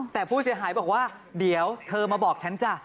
แต่ผู้เสียหายบอกว่าเดี๋ยวเธอมาบอกฉันจ้ะ